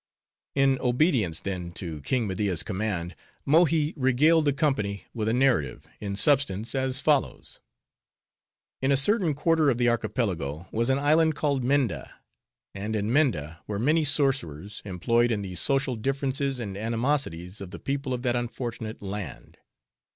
In obedience, then, to King Media's command, Mohi regaled the company with a narrative, in substance as follows:— In a certain quarter of the Archipelago was an island called Minda; and in Minda were many sorcerers, employed in the social differences and animosities of the people of that unfortunate land.